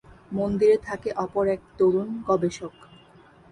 মন্দিরে থাকে অপর এক তরুন গবেষক।